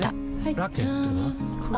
ラケットは？